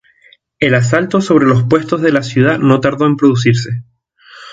El asalto sobre los puestos de la ciudad no tardó en producirse.